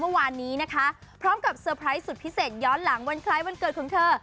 เมื่อวานนี้นะคะพร้อมกับเตอร์ไพรส์สุดพิเศษย้อนหลังวันคล้ายวันเกิดของเธอ